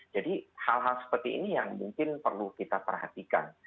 jadi hal hal seperti ini yang mungkin perlu kita perhatikan